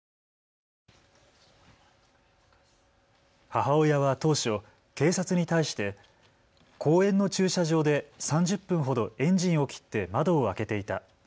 母親は当初、警察に対して公園の駐車場で３０分ほどエンジンを切って窓を開けていた。